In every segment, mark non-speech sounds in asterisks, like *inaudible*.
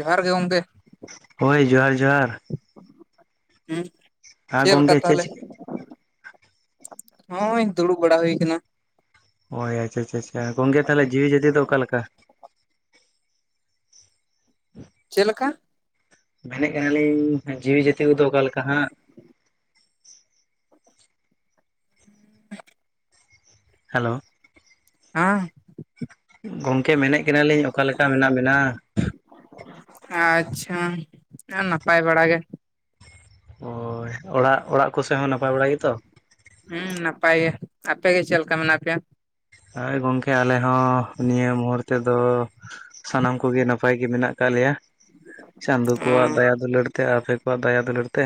ᱡᱚᱦᱟᱨ ᱜᱮ ᱜᱚᱢᱠᱮ᱾ ᱦᱳᱭ ᱡᱚᱦᱟᱨ ᱡᱚᱦᱟᱨ᱾ ᱦᱮᱸ᱾ ᱦᱮᱸ ᱜᱚᱝᱠᱮ ᱪᱮ *inaudible* ᱦᱳ ᱫᱩᱲᱩᱵ ᱵᱟᱲᱟ ᱦᱩᱭ ᱠᱟᱱᱟ᱾ ᱳᱭ ᱟᱪᱷᱟᱪᱷᱟ ᱪᱟᱷᱟ ᱜᱚᱝᱠᱮ ᱛᱟᱦᱚᱞᱮ ᱡᱤᱣᱤ ᱡᱟᱹᱛᱤ ᱫᱚ ᱚᱠᱟᱞᱮᱠᱟ? *unintelligible* ᱪᱮᱫ ᱞᱮᱠᱟ? ᱢᱮᱱᱮᱫ ᱠᱟᱱᱟᱞᱤᱧ ᱡᱤᱣᱤ ᱡᱟᱹᱛᱤ ᱠᱚᱫᱚ ᱚᱠᱟ ᱞᱮᱠᱟ ᱦᱟᱸᱜ? ᱦᱮᱞᱳ᱾ ᱦᱮᱸ᱾ ᱜᱚᱝᱠᱮ ᱢᱮᱱᱮᱫ ᱠᱟᱱᱟᱹᱞᱤᱧ ᱚᱠᱟᱞᱮᱠᱟ ᱢᱮᱱᱟᱜ ᱵᱮᱱᱟ? ᱟᱪᱪᱷᱟ ᱟᱨ ᱱᱟᱯᱟᱭ ᱵᱟᱲᱟ ᱜᱮ᱾ ᱚᱳᱭ ᱚᱲᱟᱜ ᱚᱲᱟᱜ ᱠᱚᱥᱮ ᱦᱚᱸ ᱱᱟᱯᱟᱭ ᱵᱟᱲᱟ ᱜᱮᱛᱚ? ᱦᱮᱸ ᱱᱟᱯᱟᱭ ᱜᱮ᱾ ᱟᱯᱮ ᱜᱮ ᱪᱮᱫ ᱞᱮᱠᱟ ᱢᱮᱱᱟᱜ ᱯᱮᱭᱟ? ᱦᱳᱭ ᱜᱚᱢᱠᱮ ᱟᱞᱮ ᱦᱚᱸ ᱱᱤᱭᱟᱹ ᱢᱩᱦᱩᱨᱛᱮ ᱫᱚ᱾ ᱥᱟᱱᱟᱢ ᱠᱚᱜᱮ ᱱᱟᱯᱟᱭ ᱜᱮ ᱢᱮᱱᱟᱜ ᱟᱠᱟᱜ ᱞᱮᱭᱟ᱾ ᱪᱟᱸᱫᱚᱳ ᱠᱚᱣᱟᱜ ᱚᱸ ᱫᱟᱭᱟ ᱫᱩᱞᱟᱹᱲ ᱛᱮ᱾ ᱟᱯᱮ ᱠᱚᱣᱟᱜ ᱫᱟᱭᱟ ᱫᱩᱞᱟᱹᱲ ᱛᱮ᱾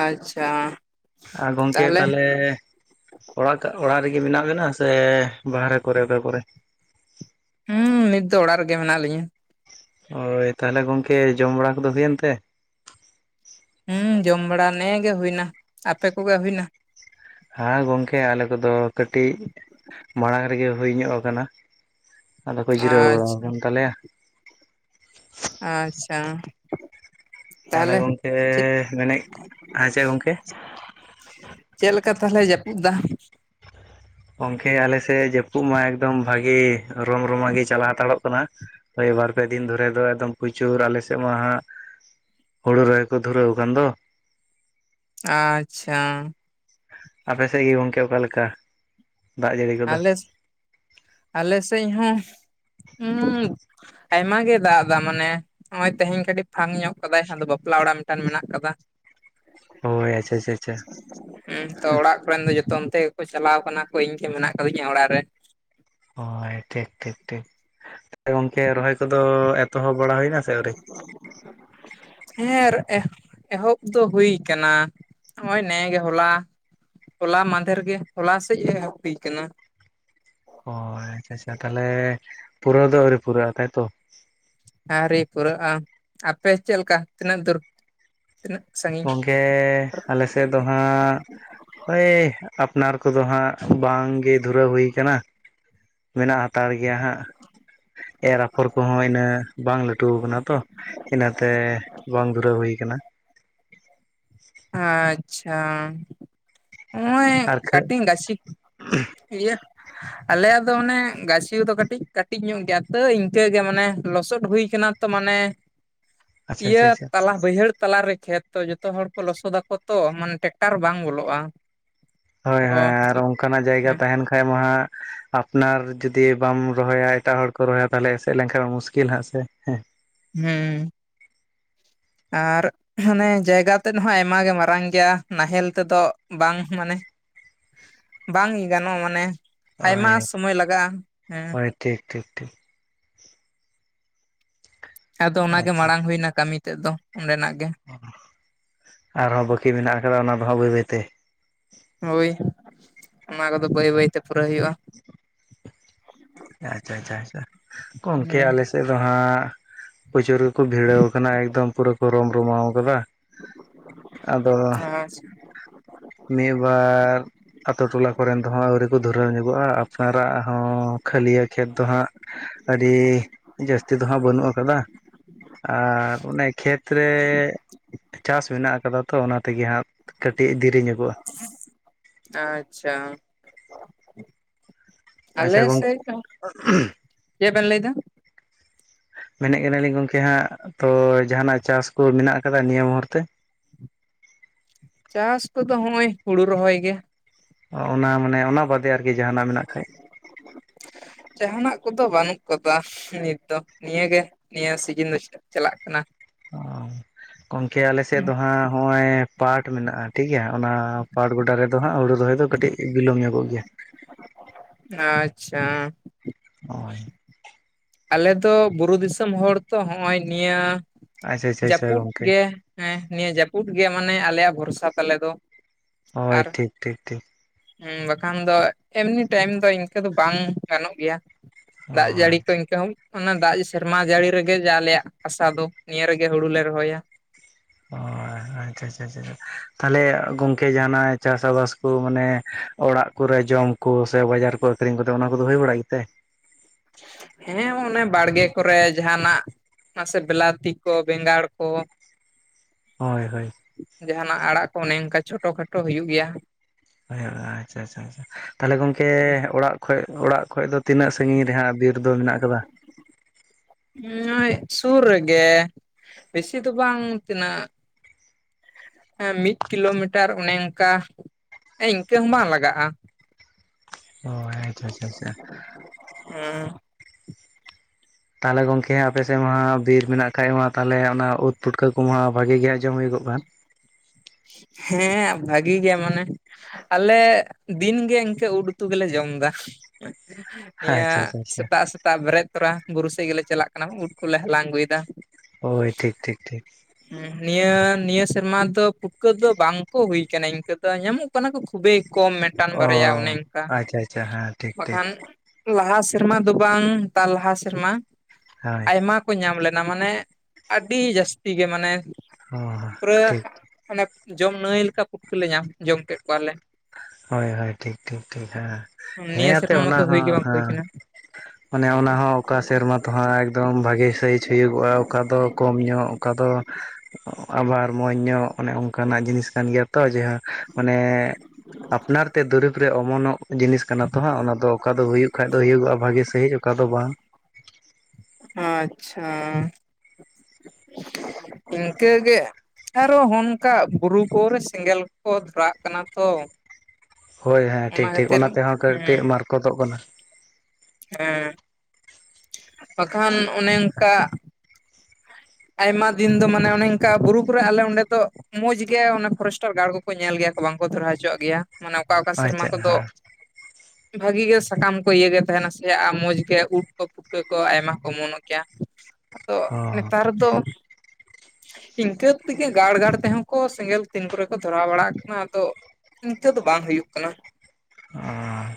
ᱟᱪᱪᱷᱟ᱾ ᱟᱨ ᱜᱚᱝᱠᱮ ᱛᱟᱦᱚᱞᱮ᱾ ᱚᱲᱟᱜ ᱠᱟ ᱚᱲᱟᱜ ᱨᱮᱜᱮ ᱢᱮᱱᱟᱜ ᱵᱮᱱᱟ ᱥᱮ ᱵᱟᱦᱨᱮ ᱠᱚᱨᱮ ᱚᱠᱟ ᱠᱚᱨᱮ? ᱦᱩᱸ ᱱᱤᱛ ᱫᱚ ᱚᱲᱟᱜ ᱨᱮᱜᱮ ᱢᱮᱱᱟᱜ ᱞᱤᱧᱟᱹ᱾ ᱳᱭ ᱛᱟᱦᱚᱞᱮ ᱜᱚᱝᱠᱮ ᱡᱚᱢ ᱵᱟᱲᱟ ᱠᱚᱫᱚ ᱦᱩᱭᱮᱱ ᱛᱮ? ᱦᱩᱸ ᱡᱚᱢ ᱵᱟᱲᱟ ᱱᱮ ᱜᱮ ᱦᱩᱭᱱᱟ ᱟᱯᱮ ᱠᱚᱜᱮ ᱦᱩᱭᱱᱟ ᱦᱮᱸ ᱜᱚᱝᱠᱮ ᱟᱞᱮ ᱠᱚᱫᱚ ᱠᱟᱹᱴᱤᱡ ᱢᱟᱲᱟᱝ ᱨᱮᱜᱮ ᱦᱩᱭ ᱧᱚᱜ ᱟᱠᱟᱱᱟ ᱟᱫᱚ ᱠᱚ ᱡᱤᱨᱟᱹᱣ ᱵᱟᱲᱟ ᱟᱪᱪᱷᱟ ᱟᱠᱟᱱ ᱛᱟᱞᱮᱭᱟ ᱟᱪᱪᱷᱟ ᱛᱟᱦᱚᱞᱮ ᱜᱚᱝᱠᱮ ᱪᱮᱫ ᱢᱮᱱᱮᱫ ᱦᱮᱸ ᱪᱮ ᱜᱚᱝᱠᱮ ᱪᱮᱫ ᱞᱮᱠᱟ ᱛᱟᱦᱚᱞᱮ ᱡᱟᱹᱯᱩᱫ ᱫᱟ ᱜᱚᱝᱠᱮ ᱟᱞᱮᱥᱮᱫ ᱡᱟᱹᱯᱩᱫ ᱢᱟ ᱮᱠᱫᱚᱢ ᱵᱷᱟᱜᱤ ᱨᱚᱢ ᱨᱚᱢᱟᱜ ᱜᱮ ᱪᱟᱞᱟᱣ ᱦᱟᱛᱟᱲᱚᱜ ᱠᱟᱱᱟ ᱦᱳᱭ ᱵᱟᱨ ᱯᱮ ᱫᱤᱱ ᱫᱷᱚᱨᱮ ᱫᱚ ᱮᱠᱫᱚᱢ ᱯᱨᱚᱪᱩᱨ ᱟᱞᱮᱥᱮᱫ ᱢᱟ ᱦᱟᱸᱜ ᱦᱩᱲᱩ ᱨᱚᱦᱚᱭ ᱠᱚ ᱫᱷᱩᱨᱟᱹᱣ ᱟᱠᱟᱱ ᱫᱚ ᱟᱪᱪᱷᱟ ᱟᱯᱮ ᱥᱮᱫ ᱜᱮ ᱜᱚᱝᱠᱮ ᱚᱠᱟ ᱞᱮᱠᱟ ᱫᱟᱜ ᱡᱟᱹᱲᱤ ᱠᱚᱫᱚ ᱟᱞᱮ ᱟᱞᱮ ᱥᱮᱫ ᱦᱚᱸ ᱟᱭᱢᱟ ᱜᱮ ᱫᱟᱜ ᱮᱫᱟ ᱢᱟᱱᱮ ᱱᱚᱜ ᱛᱮᱦᱮᱧ ᱠᱟᱹᱴᱤᱡ ᱯᱷᱟᱝ ᱧᱚᱜ ᱠᱟᱫᱟᱭ ᱟᱫᱚ ᱵᱟᱯᱞᱟ ᱚᱲᱟᱜ ᱢᱤᱫᱴᱟᱱ ᱢᱮᱱᱟᱜ ᱟᱠᱟᱫᱟ ᱦᱳᱭ ᱟᱪᱪᱷᱟ ᱟᱪᱪᱷᱟ ᱦᱮᱸ ᱛᱚ ᱚᱲᱟᱜ ᱠᱚᱨᱮᱱ ᱫᱚ ᱡᱚᱛᱚ ᱚᱱ ᱛᱮ ᱜᱮᱠᱚ ᱪᱟᱞᱟᱣ ᱠᱟᱱᱟ ᱠᱚ ᱤᱧ ᱜᱮ ᱢᱮᱱᱟᱜ ᱠᱟᱫᱤᱧᱟ ᱚᱲᱟᱜ ᱨᱮᱱ ᱦᱳᱭ ᱴᱷᱤᱠ ᱴᱷᱤᱠ ᱴᱷᱤᱠ ᱜᱚᱝᱠᱮ ᱨᱚᱦᱚᱭ ᱠᱚᱫᱚ ᱮᱛᱚᱦᱚᱵ ᱵᱟᱲᱟ ᱦᱩᱭᱱᱟ ᱥᱮ ᱟᱹᱣᱨᱤ *inaudible* ᱦᱮᱸ *unintelligible* ᱮᱦᱚᱵ ᱫᱚ ᱦᱩᱭ ᱠᱟᱱᱟ ᱱᱚᱜ-ᱚᱭ ᱱᱮ ᱜᱮ ᱦᱚᱞᱟ ᱦᱚᱞᱟ ᱢᱟᱫᱷᱮᱨ ᱜᱮ ᱦᱚᱞᱟ ᱥᱮᱡ ᱮ ᱦᱩᱭ ᱠᱟᱱᱟ ᱚ ᱟᱪᱪᱷᱟ ᱟᱪᱪᱷᱟ ᱛᱟᱦᱚᱞᱮ ᱯᱩᱨᱟᱹᱣ ᱫᱚ ᱟᱹᱣᱨᱤ ᱯᱩᱨᱟᱹᱜ-ᱟ ᱛᱟᱭᱛᱚ ᱟᱣᱨᱤ ᱯᱩᱨᱟᱹᱜ-ᱟ ᱟᱯᱮ ᱪᱮᱫ ᱞᱮᱠᱟ ᱛᱤᱱᱟᱹᱜ ᱫᱩᱨ ᱛᱤᱱᱟᱹᱜ ᱥᱟᱺᱜᱤᱧ *unintelligible* ᱟᱞᱮᱥᱮᱫ ᱫᱚ ᱦᱟᱸᱜ ᱳᱭ ᱟᱯᱱᱟᱨ ᱠᱚᱫᱚ ᱦᱟᱸᱜ ᱵᱟᱝᱜᱮ ᱫᱷᱩᱨᱟᱹᱣ ᱦᱩᱭ ᱟᱠᱟᱱᱟ ᱢᱮᱱᱟᱜ ᱦᱟᱛᱟᱲ ᱜᱮᱭᱟ ᱦᱟᱸᱜ ᱮᱨ ᱟᱯᱷᱚᱨ ᱠᱚᱦᱚᱸ ᱤᱱᱟᱹ ᱵᱟᱝ ᱞᱟᱹᱴᱩ ᱟᱠᱟᱱᱟ ᱛᱚ ᱤᱱᱟᱹᱛᱮ ᱵᱟᱝ ᱫᱷᱩᱨᱟᱹᱣ ᱦᱩᱭ ᱟᱠᱟᱱᱟ ᱟᱪᱪᱷᱟ ᱱᱚᱜ-ᱚᱭ ᱟᱨ ᱠᱷᱟᱹ ᱠᱟᱹᱴᱤᱡ ᱜᱟᱹᱪᱷᱤ ᱤᱭᱟᱹ ᱟᱞᱮᱭᱟᱜ ᱫᱚ ᱚᱱᱮ ᱜᱟᱹᱪᱷᱤ ᱠᱚ ᱫᱚ ᱠᱟᱹᱴᱤᱡ ᱠᱟᱹᱴᱤᱡ ᱧᱚᱜ ᱜᱮᱭᱟ ᱛᱟᱹᱣ ᱤᱱᱠᱟᱹᱜᱮ ᱢᱟᱱᱮ ᱞᱚᱥᱚᱫ ᱦᱩᱭ ᱟᱠᱟᱱᱟ ᱛᱚ ᱢᱟᱱᱮ ᱟᱪᱪᱷᱟ ᱤᱭᱟᱹ ᱟᱪᱪᱷᱟ ᱟᱪᱪᱷᱟ ᱛᱟᱞᱟ ᱵᱟᱹᱭᱦᱟᱹᱲ ᱛᱟᱞᱟᱨᱮ ᱠᱷᱮᱛ ᱛᱚ ᱡᱚᱛᱚ ᱦᱚᱲ ᱠᱚ ᱞᱚᱥᱚᱫᱟᱠᱚ ᱛᱚ ᱢᱟᱱᱮ ᱴᱨᱟᱠᱴᱟᱨ ᱵᱟᱝ ᱵᱚᱞᱚᱜ-ᱟ ᱦᱳᱭ ᱦᱳᱭ ᱟᱨ ᱚᱱᱠᱟᱱᱟᱜ ᱡᱟᱭᱜᱟ ᱛᱟᱦᱮᱱ ᱠᱷᱟᱱ ᱢᱟ ᱦᱟᱸᱜ ᱟᱯᱱᱟᱨ ᱡᱩᱫᱤ ᱵᱟᱢ ᱨᱚᱦᱚᱭᱟ ᱮᱴᱟᱜ ᱦᱚᱲ ᱠᱚ ᱨᱚᱦᱚᱭᱟ ᱛᱟᱦᱚᱞᱮ ᱮᱥᱮᱫ ᱞᱮᱱᱠᱷᱟᱱ ᱢᱩᱥᱠᱤᱞ ᱦᱟᱸᱜ ᱥᱮ ᱦᱩᱢᱸ ᱟᱨ ᱢᱟᱱᱮ ᱡᱟᱭᱜᱟ ᱛᱮᱫ ᱦᱚᱸ ᱟᱭᱢᱟᱜ ᱜᱮ ᱢᱟᱨᱟᱝ ᱜᱮᱭᱟ ᱱᱟᱦᱮᱞ ᱛᱮᱫᱚ ᱵᱟᱝ ᱢᱟᱱᱮ ᱵᱟᱝ ᱜᱟᱱᱚᱜ-ᱟ ᱢᱟᱱᱮ ᱟᱭᱢᱟ ᱦᱳᱭ ᱥᱚᱢᱚᱭ *unintelligible* ᱞᱟᱜᱟᱜᱼᱟ ᱦᱮᱸ ᱦᱳᱭ ᱴᱷᱤᱠ ᱴᱷᱤᱠ ᱴᱷᱤᱠ ᱟᱫᱚ ᱚᱱᱟ ᱜᱮ ᱟᱪᱪᱷᱟ ᱢᱟᱲᱟᱝ ᱦᱩᱭ ᱮᱱᱟ ᱠᱟᱹᱢᱤ ᱛᱮᱫ ᱫᱚ ᱚᱸᱰᱮᱱᱟᱜ ᱜᱮ *unintelligible* ᱟᱨᱦᱚᱸ ᱵᱟᱹᱠᱤ ᱢᱮᱱᱟᱜ ᱟᱠᱟᱫᱟ ᱚᱱᱟ ᱫᱚ ᱦᱟᱸᱜ ᱵᱟᱹᱭ ᱵᱟᱹᱭᱛᱮ ᱦᱳᱭ ᱚᱱᱟ ᱠᱚᱫᱚ ᱵᱟᱹᱭ ᱵᱟᱹᱭᱛᱮ ᱯᱩᱨᱟᱹᱣ ᱦᱩᱭᱩᱜ-ᱟ *unintelligible* ᱟᱪᱪᱷᱟ ᱟᱪᱪᱷᱟ ᱟᱪᱪᱷᱟ ᱜᱚᱝᱠᱮ ᱦᱮᱸ ᱟᱞᱮ ᱥᱮᱫ ᱫᱚ ᱦᱟᱸᱜ ᱯᱨᱚᱪᱩᱨ ᱜᱮᱠᱚ ᱵᱷᱤᱲᱟᱹ ᱠᱟᱱᱟ ᱮᱠᱫᱚᱢ ᱯᱩᱨᱟᱹ ᱠᱚ ᱨᱚᱢ ᱨᱚᱢᱟᱣ ᱟᱠᱟᱫᱟ ᱦᱮᱸ ᱟᱪᱪᱷᱟ ᱢᱤᱫ ᱵᱟᱨ ᱟᱛᱳ ᱴᱚᱞᱟ ᱠᱚᱨᱮᱱ ᱫᱚ ᱦᱟᱜ ᱟᱹᱣᱨᱤ ᱠᱚ ᱫᱷᱩᱨᱟᱹᱣ ᱧᱚᱜᱚᱜ-ᱟ ᱟᱯᱱᱟᱨᱟᱜ ᱦᱚᱸ ᱠᱷᱟᱹᱞᱤ ᱠᱷᱮᱛ ᱫᱚ ᱦᱟᱸᱜ ᱟᱹᱰᱤ ᱡᱟᱹᱥᱛᱤ ᱫᱚ ᱦᱟᱸᱜ ᱵᱟᱹᱱᱩᱜ ᱟᱠᱟᱫᱟ ᱟᱨ ᱚᱱᱮ ᱠᱷᱮᱛ ᱨᱮ ᱪᱟᱥ ᱢᱮᱱᱟᱜ ᱟᱠᱟᱫᱟ ᱛᱚ ᱚᱱᱟ ᱛᱮᱜᱮ ᱦᱟᱸᱜ ᱠᱟᱹᱴᱤᱡ ᱫᱤᱨᱮ ᱧᱚᱜ ᱟᱪᱪᱷᱟ *unintelligible* ᱟᱞᱮ ᱟᱪᱪᱷᱟ ᱜᱚᱝᱠᱮ ᱥᱮᱫ ᱦᱚᱸ *unintelligible* ᱪᱮᱫ ᱵᱮᱱ ᱞᱟᱹᱭ ᱮᱫᱟ ᱢᱮᱱᱮᱫ ᱠᱟᱱᱟᱞᱤᱧ ᱜᱚᱝᱠᱮ ᱦᱟᱸᱜ ᱛᱚ ᱡᱟᱦᱟᱱᱟᱜ ᱪᱟᱥ ᱠᱚ ᱢᱮᱱᱟᱜ ᱟᱠᱟᱫᱟ ᱱᱤᱭᱟᱹ ᱢᱩᱦᱩᱨ ᱛᱮ ᱪᱟᱥ ᱠᱚᱫᱚ ᱱᱚᱜᱼᱚᱭ ᱦᱩᱲᱩ ᱨᱚᱦᱚᱭ ᱜᱮ *unintelligible* ᱚᱱᱟ ᱢᱟᱱᱮ ᱚᱱᱟ ᱵᱟᱫᱮ ᱟᱨᱠᱤ ᱡᱟᱦᱟᱱᱟᱜ ᱢᱮᱱᱟᱜ ᱠᱷᱟᱡ ᱡᱟᱦᱟᱱᱟᱜ ᱠᱚᱫᱚ ᱵᱟᱹᱱᱩᱜ ᱟᱠᱟᱫᱟ ᱱᱤᱛ ᱫᱚ ᱱᱤᱭᱟᱹᱜᱮ ᱱᱤᱭᱟᱹ ᱥᱤᱡᱤᱱ ᱫᱚ ᱪᱟᱞᱟᱜ ᱠᱟᱱᱟ ᱚ *unintelligible* ᱜᱚᱝᱠᱮ ᱟᱞᱮ ᱥᱮᱫ ᱫᱚ ᱦᱟᱸᱜ ᱱᱚᱜᱼᱚᱭ ᱯᱟᱴ ᱢᱮᱱᱟᱜᱼᱟ ᱴᱷᱤᱠ ᱜᱮᱭᱟ ᱚᱱᱟ ᱯᱟᱴ ᱜᱚᱰᱟ ᱨᱮᱫᱚ ᱦᱟᱸᱜ ᱦᱩᱲᱩ ᱫᱚᱦᱚᱭ ᱫᱚ ᱠᱟᱹᱴᱤᱡ ᱵᱤᱞᱚᱢ ᱧᱚᱜᱚᱜ ᱜᱮᱭᱟ ᱟᱪᱪᱷᱟ ᱦᱳᱭ ᱟᱞᱮ ᱫᱚ ᱵᱩᱨᱩ ᱫᱤᱥᱚᱢ ᱦᱚᱲ ᱛᱚ ᱱᱚᱜ-ᱚᱭ ᱱᱤᱭᱟᱹ ᱟᱪᱪᱷᱟ ᱟᱪᱪᱷᱟ ᱟᱪᱪᱷᱟ ᱡᱟᱹᱯᱩᱫ ᱜᱚᱝᱠᱮ ᱜᱮ ᱦᱮᱸ ᱱᱤᱭᱟᱹ ᱡᱟᱹᱯᱩᱫ ᱜᱮ ᱢᱟᱱᱮ ᱟᱞᱮᱭᱟᱜ ᱵᱷᱚᱨᱥᱟ ᱛᱟᱞᱮ ᱫᱚ᱾ ᱦᱳᱭ ᱴᱷᱤᱠ ᱴᱷᱤᱠ ᱴᱷᱤᱠ ᱦᱮᱸ ᱵᱟᱠᱷᱟᱱ ᱫᱚ ᱮᱢᱱᱤ ᱴᱟᱭᱤᱢ ᱫᱚ ᱤᱱᱠᱟᱹ ᱫᱚ ᱵᱟᱝ ᱜᱟᱱᱚᱜ ᱜᱮᱭᱟ ᱫᱟᱜ ᱦᱳᱭ ᱡᱟᱹᱲᱤ ᱠᱚ ᱤᱱᱠᱟᱹ ᱚᱱᱟ ᱫᱟᱜ ᱥᱮᱨᱢᱟ ᱡᱟᱹᱲᱤ ᱨᱮᱜᱮ ᱡᱟ ᱟᱞᱮᱭᱟᱜ ᱟᱥᱟ ᱫᱚ ᱱᱤᱭᱟᱹ ᱨᱮᱜᱮ ᱦᱩᱲᱩ ᱞᱮ ᱨᱚᱦᱚᱭᱟ ᱚ ᱟᱪᱪᱷᱟ ᱟᱪᱪᱷᱟ ᱟᱪᱪᱷᱟ ᱛᱟᱦᱚᱞᱮ ᱜᱚᱢᱠᱮ ᱡᱟᱦᱱᱟᱜ ᱪᱟᱥ ᱟᱵᱟᱥ ᱠᱚ ᱢᱟᱱᱮ ᱚᱲᱟᱜ ᱠᱚᱨᱮ ᱡᱚᱢ ᱠᱚ ᱥᱮ ᱵᱟᱡᱟᱨ ᱠᱚ ᱟᱹᱠᱷᱨᱤᱧ ᱠᱚᱛᱮ ᱚᱱᱟ ᱠᱚᱫᱚ ᱦᱩᱭ ᱵᱟᱲᱟᱜ ᱜᱮᱛᱮ ᱦᱮᱸ ᱚᱱᱮ ᱵᱟᱲᱜᱮ ᱠᱚᱨᱮ ᱡᱟᱦᱟᱱᱟᱜ ᱢᱟᱥᱮ ᱵᱮᱞᱟᱛᱤ ᱠᱚ ᱵᱮᱸᱜᱟᱲ ᱠᱚ ᱦᱳᱭ ᱦᱳᱭ ᱡᱟᱦᱟᱱᱟᱜ ᱟᱲᱟᱜ ᱠᱚ ᱚᱱᱮ ᱚᱱᱠᱟ ᱪᱷᱳᱴᱚ ᱠᱷᱟᱴᱳ ᱦᱩᱭᱩᱜ ᱜᱮᱭᱟ ᱟᱪᱪᱷᱟ ᱟᱪᱪᱷᱟ ᱟᱪᱪᱷᱟ ᱛᱟᱦᱚᱞᱮ ᱜᱚᱢᱠᱮ ᱚᱲᱟᱜ ᱠᱷᱚᱡ ᱚᱲᱟᱜ ᱠᱷᱚᱡ ᱫᱚ ᱛᱤᱱᱟᱹᱜ ᱥᱟᱹᱸᱜᱤᱧ ᱨᱮ ᱦᱟᱸᱜ ᱵᱤᱨ ᱫᱚ ᱢᱮᱱᱟᱜ ᱠᱟᱫᱟ ᱱᱚᱜᱚᱭ ᱥᱩᱨ ᱨᱮᱜᱮ ᱵᱮᱥᱤ ᱫᱚ ᱵᱟᱝ ᱛᱤᱱᱟᱹᱜ ᱮ ᱢᱤᱫ ᱠᱤᱞᱳᱢᱤᱴᱟᱨ ᱚᱱᱮ ᱚᱱᱠᱟ ᱤᱱᱠᱟᱹ ᱦᱚᱸ ᱵᱟᱝ ᱞᱟᱜᱟᱜᱼᱟ ᱚᱭ ᱟᱪᱪᱷᱟ ᱟᱪᱪᱷᱟ ᱟᱪᱪᱷᱟ *inaudible* ᱛᱟᱦᱚᱞᱮ ᱜᱚᱢᱠᱮ ᱟᱯᱮᱥᱮᱫ ᱢᱟ ᱵᱤᱨ ᱢᱮᱱᱟᱜ ᱠᱷᱟᱡ ᱢᱟ ᱛᱟᱦᱚᱞᱮ ᱚᱱᱟ ᱩᱫ ᱯᱩᱴᱠᱟᱹ ᱠᱚᱢᱟ ᱵᱷᱟᱹᱜᱤ ᱜᱮ ᱡᱚᱢ ᱦᱩᱭᱩᱜᱚᱜᱼᱟ ᱦᱮᱸ ᱵᱷᱟᱜᱤ ᱜᱮ ᱢᱟᱱᱮ ᱟᱞᱮ ᱫᱤᱱᱜᱮ ᱤᱱᱠᱟᱹ ᱩᱫ ᱩᱛᱩ ᱜᱮᱞᱮ ᱡᱚᱢ ᱫᱟ ᱱᱤᱭᱟᱹ ᱟᱪᱪᱷᱟ ᱟᱪᱪᱷᱟ ᱟᱪᱪᱷᱟ ᱥᱮᱛᱟᱜ ᱥᱮᱛ ᱥᱮᱛᱟᱜ ᱵᱮᱨᱮᱫ ᱛᱚᱨᱟ ᱵᱩᱨᱩ ᱥᱮᱪ ᱜᱮᱞᱮ ᱪᱟᱞᱟᱜ ᱠᱟᱱᱟ ᱩᱴ ᱠᱚᱞᱮ ᱦᱟᱞᱟᱝ ᱟᱹᱜᱩ ᱭᱮᱫᱟ ᱦᱳᱭ ᱴᱷᱤᱠ ᱴᱷᱤᱠ ᱴᱷᱤᱠ ᱦᱩᱸ ᱱᱤᱭᱟᱹ ᱱᱤᱭᱟᱹ ᱥᱮᱨᱢᱟ ᱫᱚ ᱯᱩᱴᱠᱟᱹ ᱫᱚ ᱵᱟᱝ ᱠᱚ ᱦᱩᱭ ᱠᱟᱱᱟ ᱤᱱᱠᱟᱹ ᱫᱚ ᱧᱟᱢᱚᱜ ᱠᱟᱱᱟ ᱠᱚ ᱠᱷᱩᱵᱮᱭ ᱠᱚᱢ ᱢᱤᱫᱴᱟᱱ ᱚ ᱵᱟᱨᱭᱟ ᱚᱱᱮ ᱚᱱᱠᱟ ᱟᱪᱪᱷᱟ ᱟᱪᱪᱷᱟ ᱦᱮᱸ ᱴᱷᱤᱠ ᱴᱷᱤᱠ ᱵᱟᱠᱷᱟᱱ ᱞᱟᱦᱟ ᱥᱮᱨᱢᱟ ᱫᱚ ᱵᱟᱝ ᱛᱟᱨ ᱞᱟᱦᱟ ᱥᱮᱨᱢᱟ ᱦᱳᱭ ᱟᱭᱢᱟ ᱠᱚ ᱧᱟᱢ ᱞᱮᱱᱟ ᱢᱟᱱᱮ ᱟᱹᱰᱤ ᱡᱟᱹᱥᱛᱤ ᱜᱮ ᱢᱟᱱᱮ ᱚ ᱯᱩᱨᱟᱹ ᱴᱷᱤᱠ ᱢᱟᱱᱮ ᱡᱚᱢ ᱱᱟᱹᱭ ᱞᱮᱠᱟ ᱯᱩᱴᱠᱟᱹ ᱞᱮ ᱧᱟᱢ ᱡᱚᱢ ᱠᱮᱫ ᱠᱚᱣᱟᱞᱮ ᱦᱳᱭ ᱦᱳᱭ ᱴᱷᱤᱠ ᱴᱷᱤᱠ ᱴᱷᱤᱠ ᱦᱮᱸ ᱦᱮᱸ ᱱᱤᱭᱟᱹ ᱭᱟᱛᱮ ᱥᱮᱨᱢᱟ ᱚᱱᱟ ᱢᱟᱛᱚ ᱦᱩᱭ ᱦᱚᱸ ᱜᱮ ᱵᱟᱝ ᱦᱩᱭ ᱦᱮᱸ ᱠᱟᱱᱟ ᱢᱟᱱᱮ ᱚᱱᱟᱦᱚᱸ ᱚᱠᱟ ᱥᱮᱨᱢᱟ ᱫᱚ ᱦᱟᱸᱜ ᱮᱠᱫᱚᱢ ᱵᱷᱟᱜᱮ ᱥᱟᱹᱭᱤᱡ ᱦᱩᱭᱩᱜᱼᱟ ᱚᱠᱟ ᱫᱚ ᱠᱚᱢ ᱧᱚᱜ ᱚᱠᱟ ᱫᱚ ᱟᱵᱟᱨ ᱢᱚᱸᱡᱽ ᱧᱚᱜ ᱚᱱᱮ ᱚᱱᱠᱟᱱᱟᱜ ᱡᱤᱱᱤᱥ ᱠᱟᱱ ᱜᱮᱭᱟ ᱛᱚ ᱡᱟᱦᱟ ᱢᱟᱱᱮ ᱟᱯᱱᱟᱨ ᱛᱮ ᱫᱩᱨᱤᱵ ᱨᱮ ᱚᱢᱚᱱᱚᱜ ᱡᱤᱱᱤᱥ ᱠᱟᱱᱟ ᱛᱚ ᱦᱟᱸᱜ ᱚᱱᱟ ᱫᱚ ᱚᱠᱟ ᱫᱚ ᱦᱩᱭᱩᱜ ᱠᱷᱟᱡ ᱫᱚ ᱦᱩᱭᱩᱜᱚᱜᱼᱟ ᱵᱷᱟᱜᱤ ᱥᱟᱹᱦᱤᱡ ᱚᱠᱟ ᱫᱚ ᱵᱟᱝ ᱟᱪᱪᱷᱟ *inaudible* ᱤᱱᱠᱟᱹ ᱜᱮ ᱟᱨ ᱦᱚᱸ ᱱᱚᱝᱠᱟ ᱵᱩᱨᱩ ᱠᱚᱨᱮ ᱥᱮᱸᱜᱮᱞ ᱠᱚ ᱫᱷᱚᱨᱟᱣ ᱟᱜ ᱠᱟᱱᱟ ᱛᱚ ᱦᱳᱭ ᱦᱮᱸ ᱴᱷᱤᱠ ᱴᱷᱤᱠ ᱚᱱᱟ ᱛᱮᱦᱚᱸ ᱠᱟᱹᱴᱤᱡ ᱢᱟᱨᱠᱚᱛᱚᱜ ᱠᱟᱱᱟ ᱦᱩᱸ ᱵᱟᱠᱷᱟᱱ ᱚᱱᱮ ᱚᱱᱠᱟ ᱟᱭᱢᱟ ᱫᱤᱱ ᱫᱚ ᱢᱟᱱᱮ ᱚᱱᱮ ᱚᱱᱠᱟ ᱵᱩᱨᱩ ᱠᱚᱨᱮ ᱟᱞᱮ ᱚᱸᱰᱮ ᱫᱚ ᱢᱚᱸᱡᱽ ᱜᱮ ᱚᱱᱮ ᱯᱷᱚᱨᱮᱥᱴᱟᱨ ᱜᱟᱲ ᱠᱚᱠᱚ ᱧᱮᱞ ᱜᱮᱭᱟ ᱵᱟᱝᱠᱚ ᱫᱷᱚᱨᱟᱣ ᱦᱚᱪᱚᱣᱟᱜ ᱜᱮᱭᱟ ᱢᱟᱱᱮ ᱚᱠᱟ ᱚᱠᱟ ᱥᱮᱨᱢᱟ ᱟᱪᱪᱷᱟ ᱠᱚᱫᱚ ᱦᱮᱸ ᱵᱷᱟᱹᱜᱤ ᱜᱮ ᱥᱟᱠᱟᱢ ᱠᱚ ᱤᱭᱟᱹᱟᱹᱜᱮ ᱛᱟᱦᱮᱱᱟ ᱥᱮ ᱟᱨ ᱢᱚᱸᱡᱽ ᱜᱮ ᱩᱴ ᱠᱚ ᱯᱩᱴᱠᱟᱹ ᱠᱚ ᱟᱭᱢᱟ ᱠᱚ ᱚᱢᱚᱱᱚ ᱜᱮᱭᱟ ᱟᱫᱚ ᱚ ᱱᱮᱛᱟᱨ ᱫᱚ ᱤᱱᱠᱟᱹ ᱛᱮᱜᱮ ᱜᱟᱲ ᱜᱟᱲ ᱛᱮᱦᱚᱸ ᱠᱚ ᱥᱮᱸᱜᱮᱞ ᱛᱤᱱ ᱠᱚᱨᱮ ᱠᱚ ᱫᱷᱚᱨᱟᱣ ᱵᱟᱲᱟᱜ ᱠᱟᱱᱟ ᱟᱫᱚ ᱤᱱᱠᱟᱹ ᱫᱚ ᱵᱟᱝ ᱦᱩᱭᱩᱜ ᱠᱟᱱᱟ ᱚ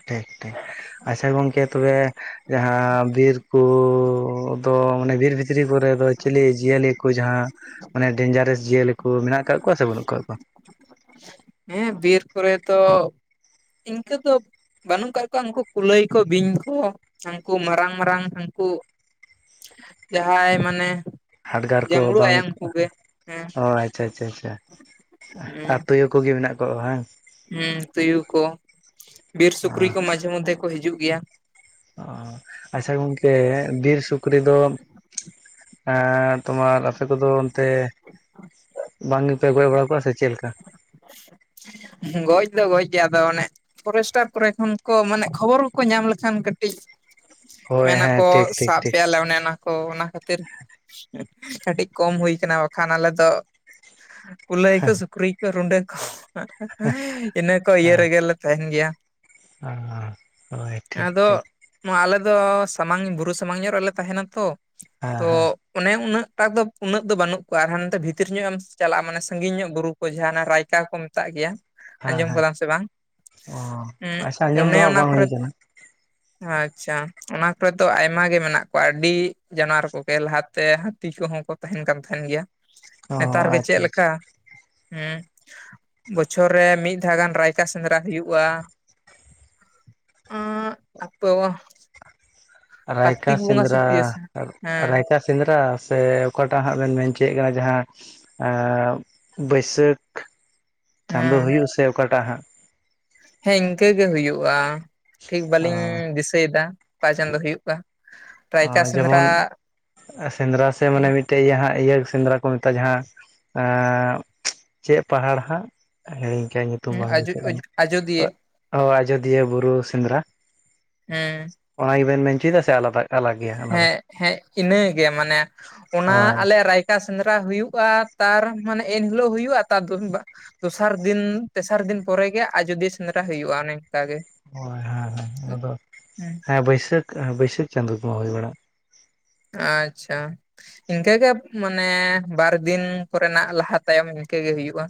ᱴᱷᱤᱠ ᱴᱷᱤᱠ ᱟᱪᱪᱷᱟ ᱜᱚᱢᱠᱮ ᱛᱚᱵᱮ ᱡᱟᱦᱟᱸ ᱵᱤᱨᱠᱩᱻ ᱫᱚ ᱢᱟᱱᱮ ᱵᱤᱨ ᱵᱷᱤᱛᱼ ᱵᱷᱤᱛᱨᱤ ᱠᱚᱨᱮ ᱫᱚ ᱪᱤᱞᱤ ᱡᱤᱭᱟᱹᱞᱤ ᱠᱚ ᱡᱟᱦᱟᱸ ᱢᱟᱱᱮ ᱰᱮᱱᱡᱟᱨᱮᱥ ᱡᱤᱭᱟᱹᱞᱤ ᱠᱚ ᱢᱮᱱᱟᱜ ᱠᱟᱜ ᱠᱚᱣᱟ ᱥᱮ ᱵᱟᱹᱱᱩᱜ ᱠᱟᱜ ᱠᱚᱣᱟ ᱦᱮᱸ ᱵᱤᱨ ᱠᱚᱨᱮ ᱫᱚ ᱤᱱᱠᱟᱹ ᱫᱚ ᱵᱟᱹᱱᱩᱜ ᱠᱟᱜ ᱠᱚᱣᱟ ᱩᱱᱠᱩ ᱠᱩᱞᱟᱹᱭ ᱠᱚ ᱵᱤᱧ ᱠᱚ ᱦᱟᱹᱱᱠᱩ ᱢᱟᱨᱟᱝ ᱢᱟᱨᱟᱝ ᱦᱟᱹᱱᱠᱩ ᱡᱟᱦᱟᱸᱭ ᱢᱟᱱᱮ ᱦᱟᱰᱜᱟᱨ ᱠᱚ ᱡᱟᱢᱬᱳ ᱵᱟᱝ ᱟᱭᱟᱝ ᱠᱚ ᱜᱮ ᱦᱮᱸ ᱚ ᱟᱪᱷᱟ ᱟᱪᱷᱟ ᱟᱪᱷᱟ ᱦᱩᱸ ᱛᱚᱭᱳ ᱠᱚᱜᱮ ᱢᱮᱱᱟᱜ ᱠᱚᱣᱟ ᱦᱟᱝ ᱦᱩᱸ ᱛᱩᱭᱩ ᱠᱚ ᱵᱤᱨ ᱚ ᱥᱩᱠᱨᱤ ᱠᱚ ᱢᱟᱡᱷᱮ ᱢᱚᱫᱷᱮ ᱠᱚ ᱦᱤᱡᱩᱜ ᱜᱮᱭᱟ ᱚ ᱟᱪᱷᱟ ᱜᱚᱢᱠᱮ ᱵᱤᱨ ᱥᱩᱠᱨᱤ ᱫᱚ ᱮᱸ ᱛᱳᱢᱟᱨ ᱟᱯᱮ ᱠᱚᱫᱚ ᱚᱱᱛᱮ ᱵᱟᱝ ᱜᱮᱯᱮ ᱜᱚᱡ ᱵᱟᱲᱟ ᱠᱚᱣᱟ ᱥᱮ ᱪᱮᱫᱞᱮᱠᱟ ᱜᱚᱡ ᱫᱚ ᱜᱚᱡ ᱜᱮ ᱟᱫᱚ ᱚᱱᱮ ᱯᱷᱚᱨᱮᱥᱴᱟᱨ ᱠᱚᱨᱮ ᱠᱷᱚᱱ ᱠᱚ ᱢᱟᱱᱮ ᱠᱷᱚᱵᱚᱨ ᱠᱚᱠᱚ ᱧᱟᱢ ᱞᱮᱠᱷᱟᱱ ᱠᱟᱹᱴᱤᱡ ᱦᱳᱭ ᱢᱮᱱ ᱦᱮᱸ ᱟᱠᱚ ᱴᱷᱤᱠ ᱴᱷᱤᱠ ᱥᱟᱵ ᱴᱷᱤᱠ ᱯᱮᱭᱟᱞᱮ ᱚᱱᱮᱚᱱᱟ ᱠᱚ ᱚᱱᱟ ᱠᱷᱟᱹᱛᱤᱨ ᱠᱟᱹᱴᱤᱡ ᱠᱚᱢ ᱦᱩᱭ ᱠᱟᱱᱟ ᱵᱟᱠᱷᱟᱱ ᱟᱞᱮ ᱫᱚ ᱠᱩᱞᱟᱹᱭ ᱠᱚ ᱥᱩᱠᱨᱤ ᱠᱚ ᱨᱩᱸᱰᱟᱹ ᱠᱚ ᱤᱱᱟᱹ ᱠᱚ ᱤᱭᱟᱹ ᱦᱮᱸ ᱨᱮᱜᱮᱞᱮ ᱛᱟᱦᱮᱱ ᱜᱮᱭᱟ ᱦᱳᱭ ᱴᱷᱤᱠ ᱟᱫᱚ ᱴᱷᱤᱠ ᱱᱚᱣᱟ ᱟᱞᱮ ᱫᱚ ᱥᱟᱢᱟᱝ ᱵᱩᱨᱩ ᱥᱟᱢᱟᱝ ᱧᱚᱜ ᱨᱮᱞᱮ ᱛᱟᱦᱮᱱᱟ ᱛᱚ ᱦᱮᱸ ᱛᱚ ᱦᱮᱸ ᱚᱱᱮ ᱩᱱᱟᱹᱜ ᱴᱟᱜ ᱫᱚ ᱩᱱᱟᱹᱜ ᱫᱚ ᱵᱟᱹᱱᱩᱜ ᱠᱚᱣᱟ ᱟᱨ ᱦᱟᱱ ᱵᱷᱤᱛᱤᱨ ᱧᱚᱜ ᱮᱢ ᱪᱟᱞᱟᱜ ᱢᱟᱱᱮ ᱥᱟᱺᱤᱧ ᱧᱚᱜ ᱵᱩᱨᱩ ᱡᱟᱦᱟ ᱚᱱᱟ ᱨᱟᱭᱠᱟ ᱠᱚ ᱢᱮᱛᱟᱜ ᱜᱮᱭᱟ ᱦᱮᱸ ᱟᱸᱡᱚᱢ ᱦᱮᱸ ᱠᱟᱫᱟᱢ ᱥᱮ ᱵᱟᱝ ᱚ ᱩᱸ ᱟᱪᱪᱷᱟ ᱟᱸᱡᱚᱢ ᱫᱚ ᱚᱱᱮ ᱦᱟᱸᱜ ᱚᱱᱟ ᱵᱟᱝ ᱠᱚᱨᱮ ᱦᱩᱭ ᱠᱟᱱᱟ ᱟᱪᱷᱟ ᱚᱱᱟ ᱠᱚᱨᱮ ᱫᱚ ᱟᱭᱢᱟ ᱜᱮ ᱢᱮᱱᱟᱜ ᱠᱚᱣᱟ ᱟᱹᱰᱤ ᱡᱟᱱᱣᱟᱨ ᱠᱚᱜᱮ ᱞᱟᱦᱟᱛᱮ ᱦᱟᱹᱛᱤ ᱠᱚᱦᱚᱸ ᱠᱚ ᱛᱟᱦᱮᱱ ᱠᱟᱱ ᱛᱟᱦᱮᱱ ᱜᱮᱭᱟ ᱚ ᱱᱮᱛᱟᱨ ᱜᱮ ᱪᱮᱫ ᱟᱪᱪᱷᱟ ᱟᱪᱪᱷᱟ ᱞᱮᱠᱟ ᱦᱮᱸ ᱵᱚᱪᱷᱚᱨ ᱨᱮ ᱢᱤᱫ ᱫᱷᱟᱣ ᱜᱟᱱ ᱨᱟᱭᱠᱟ ᱥᱮᱸᱫᱽᱨᱟ ᱦᱩᱭᱩᱜ-ᱟ *inaudible* *unintelligible* ᱨᱟᱭᱠᱟ ᱠᱟᱨᱛᱤᱠ ᱵᱚᱸᱜᱟ ᱥᱮ ᱥᱤᱸᱫᱨᱟ ᱛᱤᱥ ᱦᱮᱸ ᱨᱟᱭᱠᱟ ᱥᱮᱸᱫᱨᱟ ᱥᱮ ᱚᱠᱟᱴᱟᱜ ᱦᱟᱸᱜ ᱵᱮᱱ ᱢᱮᱱ ᱦᱚᱪᱚᱭᱮᱫ ᱠᱟᱱᱟ ᱡᱟᱦᱟᱸ ᱮᱸ ᱵᱟᱹᱭᱥᱟᱹᱠᱷ ᱪᱟᱸᱫᱳ ᱦᱮᱸ ᱦᱩᱭᱩᱜ ᱥᱮ ᱚᱠᱟᱴᱟᱜ ᱦᱟᱸᱜ ᱦᱮᱸ ᱤᱱᱠᱟᱹ ᱜᱮ ᱦᱩᱭᱩᱜ-ᱟ ᱴᱷᱤᱠ ᱵᱟᱹᱞᱤᱧ ᱫᱤᱥᱟ. ᱭᱫᱟ ᱚᱠᱟ ᱪᱟᱹᱫᱳ ᱦᱩᱭᱩᱜ-ᱟ ᱚ ᱡᱮᱢᱚᱱ ᱥᱮᱸᱫᱮᱨᱟ ᱥᱮ ᱢᱟᱱᱮ ᱢᱤᱫᱴᱮᱡ ᱤᱭᱟᱹ ᱦᱟᱸᱜ ᱤᱭᱟᱹ ᱥᱮᱸᱫᱨᱟ ᱠᱚ ᱢᱮᱛᱟᱜ-ᱟ ᱡᱟᱦᱟᱸ ᱮᱸ ᱪᱮᱫ ᱯᱟᱦᱟᱲ ᱦᱟᱸᱜ ᱦᱤᱲᱤᱧ ᱠᱟᱜᱟ. ᱧ ᱧᱩ ᱧᱩᱛᱩᱢ ᱵᱟᱝ ᱟᱡᱚ ᱫᱤᱥᱟ. ᱜ ᱟᱡᱚᱫᱤᱭᱟᱹ ᱠᱟᱱᱟ ᱚ ᱟᱡᱚᱫᱤᱭᱟᱹ ᱵᱩᱨᱩ ᱥᱮᱸᱫᱨᱟ ᱦᱮᱸ ᱚᱱᱟ ᱜᱮᱵᱮᱱ ᱢᱮᱱᱪᱚᱭᱮᱫᱟ ᱥᱮ ᱟᱞᱟᱫᱟ ᱟᱞᱟᱜ ᱜᱮᱭᱟ ᱚᱱᱟ ᱫᱚ ᱦᱮᱸ ᱦᱮᱸ ᱤᱱᱟᱹᱜᱮ ᱢᱟᱱᱮ ᱚᱱᱟ ᱦᱳᱭ ᱟᱞᱮ ᱨᱟᱭ ᱟᱨ ᱥᱮᱸᱫᱽᱨᱟ ᱦᱩᱭᱩᱜᱼᱟ ᱛᱟᱨ ᱢᱟᱱᱮ ᱮᱱᱦᱤᱞᱳᱜ ᱦᱩᱭᱩᱜᱼᱟ ᱛᱟᱨ *unintelligible* ᱫᱚᱥᱟᱨ ᱫᱤᱱ ᱛᱮᱥᱟᱨ ᱫᱤᱱ ᱯᱚᱨᱮ ᱜᱮ ᱟᱡᱚᱫᱤᱭᱟᱹ ᱥᱮᱸᱫᱨᱟ ᱦᱩᱭᱩᱜ-ᱟ ᱚᱱᱮ ᱚᱱᱠᱟ ᱜᱮ ᱦᱳᱭ ᱦᱮᱸ ᱦᱮᱸ ᱟᱫᱚ ᱦᱮᱸ ᱵᱟᱹᱭᱥᱟᱹᱠᱷ ᱵᱟᱹᱭᱥᱟᱹᱠᱷ ᱪᱟᱸᱫᱳ ᱠᱚᱢᱟ ᱦᱩᱭ ᱵᱟᱲᱟᱜ-ᱟ ᱟᱪᱪᱷᱟ᱾ ᱤᱱᱠᱟᱹ ᱜᱮ ᱢᱟᱱᱮ ᱵᱟᱨ ᱫᱤᱱ ᱠᱚᱨᱮᱱᱟᱜ ᱞᱟᱦᱟ ᱛᱟᱭᱚᱢ ᱤᱱᱠᱟᱹ ᱜᱮ ᱦᱩᱭᱩᱜᱼᱟ᱾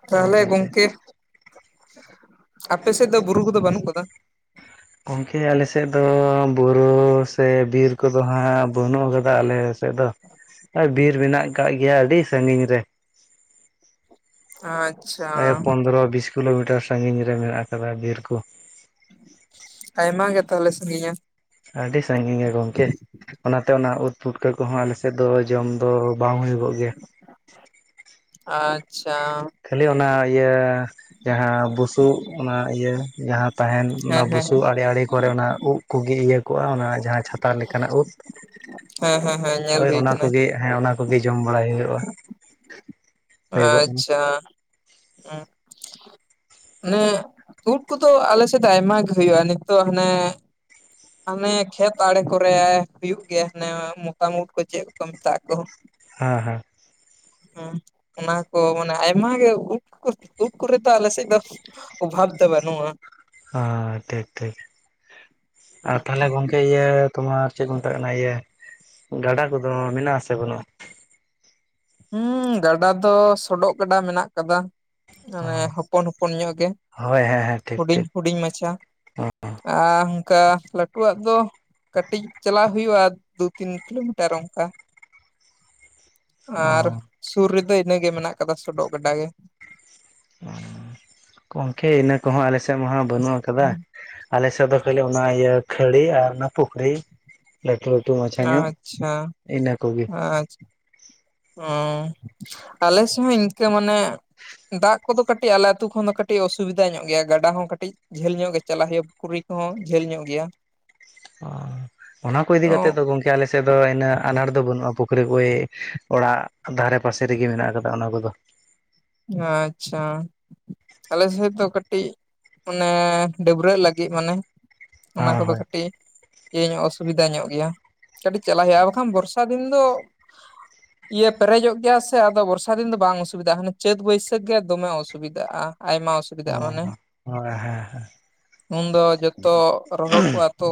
*unintelligible* ᱛᱟᱦᱚᱞᱮ ᱟᱪᱪᱷᱟ ᱟᱪᱪᱷᱟ ᱜᱚᱢᱠᱮᱼᱼ ᱟᱯᱮ ᱥᱮᱫ ᱫᱚ ᱵᱩᱨᱩ ᱠᱚᱫᱚ ᱵᱟᱹᱱᱩᱜ ᱟᱠᱟᱫᱟ? ᱜᱚᱢᱠᱮ ᱟᱞᱮ ᱥᱮᱫ ᱫᱚ ᱵᱩᱨᱩ ᱥᱮ ᱵᱤᱨ ᱠᱚᱫᱚ ᱦᱟᱸᱜᱼᱼ ᱵᱟᱹᱱᱩᱜ ᱟᱠᱟᱫᱟ ᱟᱞᱮ ᱥᱮᱫ ᱫᱚ ᱟᱨ ᱵᱤᱨ ᱢᱮᱱᱟᱜ ᱟᱠᱟᱫ ᱜᱮᱭᱟ ᱟᱹᱰᱤ ᱥᱟᱺᱜᱤᱧ ᱨᱮ᱾ *unintelligible* ᱼᱼ ᱯᱚᱱᱫᱽᱨᱚ ᱵᱤᱥ ᱠᱤᱞᱳᱢᱤᱴᱟᱨ ᱥᱟᱹᱜᱤᱧ ᱨᱮ ᱢᱮᱱᱟᱜ ᱟᱠᱟᱫᱟ ᱵᱤᱨ ᱠᱚ᱾ ᱟᱭᱢᱟ ᱜᱮ ᱛᱟᱦᱚᱞᱮ ᱥᱟᱹᱜᱤᱧᱟ᱾ ᱟᱹᱰᱤ ᱥᱟᱺᱜᱤᱧ ᱜᱮᱭᱟ ᱜᱚᱢᱠᱮ ᱚᱱᱟᱛᱮ ᱚᱱᱟ ᱩᱫ ᱯᱩᱴᱠᱟᱹ ᱠᱚᱦᱚᱸ ᱟᱞᱮᱥᱮᱫ ᱫᱚ ᱡᱚᱢ ᱫᱚ ᱵᱟᱝ ᱦᱩᱭᱩᱜᱚᱜ ᱜᱮᱭᱟ᱾ ᱟᱪᱪᱷᱟ᱾ ᱠᱷᱟᱹᱞᱤ ᱚᱱᱟ ᱤᱭᱟᱹ ᱡᱟᱦᱟᱸ ᱵᱩᱥᱩᱵ ᱚᱱᱟ ᱤᱭᱟᱹ ᱡᱟᱦᱟᱸᱼᱼ ᱛᱟᱦᱮᱱ ᱚᱱᱟ ᱦᱮᱸ ᱦᱮᱸ ᱵᱩᱥᱩᱵ ᱟᱲᱮ ᱟᱲᱮ ᱠᱚᱨᱮ ᱚᱱᱟ ᱩᱫᱽ ᱠᱚᱜᱮ ᱤᱭᱟᱹ ᱠᱚᱜᱼᱟ ᱚᱱᱟᱼᱼ ᱡᱟᱦᱟᱸ ᱪᱷᱟᱛᱟ ᱞᱮᱠᱟᱱᱟᱜ ᱩᱫᱽ ᱦᱮᱸ ᱦᱮᱸ ᱦᱮᱸ ᱧᱮᱞ ᱦᱳᱭ ᱦᱩᱭ ᱚᱱᱟ ᱠᱟᱱᱟ ᱠᱚᱜᱮᱼᱼ ᱦᱮᱸ ᱚᱱᱟ ᱠᱚᱜᱮ ᱡᱚᱢ ᱵᱟᱲᱟᱭ ᱦᱩᱭᱩᱜᱼᱟ᱾ ᱦᱩᱭᱩᱜᱚᱜ ᱟᱪᱪᱷᱟ *unintelligible* ᱼᱼ *unintelligible* ᱩᱫ ᱠᱚᱫᱚ ᱟᱞᱮᱥᱮᱫ ᱫᱚ ᱟᱭᱢᱟ ᱜᱮ ᱦᱩᱭᱩᱜᱼᱟ ᱱᱤᱛᱚᱜ ᱦᱟᱱᱮᱼᱼ ᱦᱟᱱᱮ ᱠᱷᱮᱛ ᱟᱲᱮ ᱠᱚᱨᱮ ᱦᱩᱭᱩᱜ ᱜᱮᱭᱟ ᱦᱟᱱᱮ ᱢᱚᱛᱟᱢ ᱩᱫ ᱠᱚ ᱪᱮᱫ ᱠᱚ ᱠᱚ ᱢᱮᱛᱟᱜ ᱟᱠᱚ᱾ ᱦᱮᱸ ᱦᱮᱸ᱾ ᱦᱮᱸ ᱚᱱᱟ ᱠᱚ ᱢᱟᱱᱮ ᱟᱭᱢᱟ ᱜᱮ ᱩᱫ ᱠᱚ ᱩᱫ ᱠᱚᱨᱮ ᱛᱚ ᱟᱞᱮ ᱥᱮᱫ ᱫᱚᱼᱼ ᱚᱵᱷᱟᱵᱽ ᱫᱚ ᱵᱟᱱᱩᱜᱼᱟ᱾ ᱦᱮᱸ ᱴᱷᱤᱠ ᱴᱷᱤᱠ᱾ ᱟᱨ ᱛᱟᱦᱚᱞᱮ ᱜᱚᱝᱠᱮ ᱤᱭᱟᱹ ᱛᱳᱢᱟᱨ ᱪᱮᱫ ᱠᱚ ᱢᱮᱛᱟᱜ ᱠᱟᱱᱟ ᱤᱭᱟᱹ ᱜᱟᱰᱟ ᱠᱚᱫᱚ ᱢᱮᱱᱟᱜ ᱟᱥᱮ ᱵᱟᱹᱱᱩᱜᱼᱟ? ᱜᱟᱰᱟ ᱫᱚ ᱥᱚᱰᱚᱜ ᱜᱟᱰᱟ ᱢᱮᱱᱟᱜ ᱟᱠᱟᱫᱟ᱾ ᱚ ᱢᱟᱱᱮ ᱦᱚᱯᱚᱱ ᱦᱚᱯᱚᱱ ᱧᱚᱜ ᱜᱮ ᱦᱳᱭ ᱦᱮᱸ ᱦᱮᱸ ᱴᱷᱤᱠ ᱦᱩᱰᱤᱧ ᱴᱷᱤᱠ ᱦᱩᱰᱤᱧ ᱢᱟᱪᱷᱟ᱾ ᱟᱨ ᱚᱱᱠᱟ ᱞᱟᱹᱴᱩᱣᱟᱜ ᱫᱚᱼᱼ ᱠᱟᱹᱴᱤᱡ ᱪᱟᱞᱟᱣ ᱦᱩᱭᱩᱜᱼᱟ ᱫᱩ ᱛᱤᱱ ᱠᱤᱞᱳᱢᱤᱴᱟᱨ ᱚᱱᱠᱟ᱾ ᱟᱨ ᱚ ᱥᱩᱨ ᱨᱮᱫᱚ ᱤᱱᱟᱹᱜᱮ ᱢᱮᱱᱟᱜ ᱠᱟᱫᱟ ᱥᱚᱰᱚᱜ ᱜᱟᱰᱟ ᱜᱮ᱾ ᱜᱚᱢᱠᱮ ᱤᱱᱟᱹ ᱠᱚᱦᱚᱸ ᱟᱞᱮ ᱥᱮᱫ ᱢᱟ ᱦᱟᱸᱜ ᱵᱟᱹᱱᱩᱜ ᱟᱠᱟᱫᱟ᱾ ᱟᱞᱮ ᱥᱮᱫ ᱫᱚ ᱠᱷᱟᱹᱞᱤ ᱚᱱᱟ ᱤᱭᱟᱹ ᱠᱷᱟᱹᱲᱤ ᱟᱨ ᱚᱱᱟ ᱯᱩᱠᱷᱨᱤ ᱾ ᱞᱟᱹᱴᱩ ᱞᱟᱹᱴᱩ ᱢᱟᱪᱷᱟ ᱧᱚᱜ ᱤᱱᱟᱹ ᱠᱚᱜᱮ᱾ *unintelligible* ᱼᱼ ᱟᱞᱮ ᱥᱮᱫ ᱦᱚᱸ ᱤᱱᱠᱟᱹ ᱢᱟᱱᱮᱼᱼ ᱫᱟᱜ ᱠᱚᱫᱚ ᱠᱟᱹᱴᱤᱡ ᱟᱞᱮ ᱟᱹᱛᱩ ᱠᱷᱚᱱ ᱫᱚ ᱠᱟᱹᱴᱤᱡ ᱚᱥᱩᱵᱤᱫᱟ ᱧᱚᱜ ᱜᱮᱭᱟ ᱜᱟᱰᱟ ᱦᱚᱸ ᱠᱟᱹᱴᱤᱡᱼᱼ ᱡᱷᱟᱹᱞ ᱧᱚᱜ ᱜᱮ ᱪᱟᱞᱟᱜ ᱦᱩᱭᱩᱜᱼᱟ ᱯᱩᱠᱷᱨᱤ ᱠᱚᱦᱚᱸ ᱡᱷᱟᱹᱞ ᱧᱚᱜ ᱜᱮᱭᱟ᱾ ᱚᱱᱟ ᱠᱚ ᱤᱫᱤ ᱛᱚ ᱠᱟᱛᱮᱜ ᱫᱚ ᱜᱚᱝᱠᱮᱼᱼ *unintelligible* ᱟᱞᱮᱥᱮᱫ ᱫᱚ ᱤᱱᱟᱹᱜ ᱟᱱᱟᱴ ᱫᱚ ᱵᱟᱹᱱᱩᱜᱼᱟ ᱯᱩᱠᱷᱨᱤ ᱠᱚᱜᱮ ᱚᱲᱟᱜ ᱫᱷᱟᱨᱮ ᱯᱟᱥᱮ ᱨᱮᱜᱮ ᱢᱮᱱᱟᱜ ᱟᱠᱟᱫᱟ ᱚᱱᱟ ᱠᱚᱫᱚ᱾ ᱟᱪᱪᱷᱟ ᱾ ᱟᱞᱮ ᱥᱮᱫ ᱫᱚ ᱠᱟᱹᱴᱤᱡ ᱚᱱᱮ ᱰᱟᱹᱵᱽᱨᱟᱹᱜ ᱞᱟᱹᱜᱤᱫ ᱢᱟᱱᱮᱼᱼ ᱚᱱᱟ ᱦᱮᱸ ᱠᱚᱫᱚ ᱦᱳᱭ ᱠᱟᱹᱴᱤᱡ ᱤᱭᱟᱹ ᱧᱚᱜ ᱚᱥᱩᱵᱤᱫᱟ ᱧᱚᱜ ᱜᱮᱭᱟ ᱠᱟᱹᱴᱤᱡ ᱪᱟᱞᱟᱜ ᱦᱩᱭᱩᱜᱼᱟ ᱵᱟᱠᱷᱟᱱ ᱵᱚᱨᱥᱟ ᱫᱤᱱ ᱫᱚ ᱤᱭᱟᱹ ᱯᱮᱨᱮᱡᱚᱜ ᱜᱮᱭᱟ ᱥᱮ ᱟᱫᱚ ᱵᱚᱨᱥᱟ ᱫᱤᱱ ᱫᱚ ᱵᱟᱝ ᱚᱥᱩᱵᱤᱫᱟᱜᱼᱟ ᱪᱟᱹᱛ ᱵᱟᱹᱭᱥᱟᱹᱠᱷ ᱜᱮ ᱫᱚᱢᱮ ᱚᱥᱩᱵᱤᱫᱷᱟᱜᱼᱟ ᱟᱭᱢᱟ ᱾ ᱚ ᱚᱥᱩᱵᱤᱫᱟᱜᱼᱟ ᱢᱟᱱᱮ ᱦᱳᱭ ᱦᱮᱸ ᱩᱱ ᱫᱚ ᱡᱚᱛᱚ ᱨᱚᱦᱚᱲ ᱠᱚᱜᱼᱟ ᱛᱚ᱾